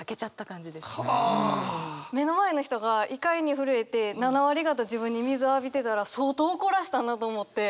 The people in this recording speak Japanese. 目の前の人が怒りに震えて７割方自分に水浴びてたら相当怒らしたなと思って。